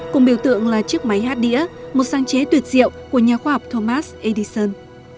cùng biểu tượng là chiếc máy hát đĩa một sáng chế tuyệt diệu của nhà khoa học thomas edison